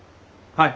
はい。